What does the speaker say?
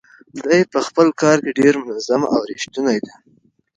دی په خپل کار کې ډېر منظم او ریښتونی و.